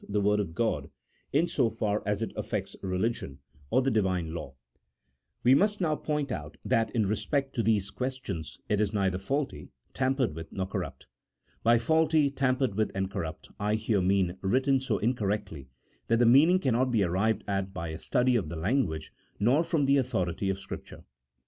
the Word of God in so far as it affects religion, or the Divine law ; we must now point out that, in respect to these ques tions, it is neither faulty, tampered with, nor corrupt. By faulty, tampered with, and corrupt, I here mean written so incorrectly that the meaning cannot be arrived at by a study of the language, nor from the authority of Scripture.